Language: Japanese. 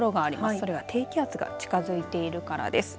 それは低気圧が近づいているからです。